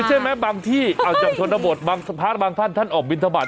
ใช่ไหมบางที่เจ้าชนบดสะพานบางท่านท่านออกบินทรมาน